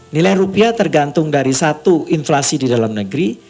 nilai rupiah tergantung dari satu inflasi di dalam negeri